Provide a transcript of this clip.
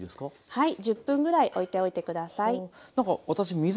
はい。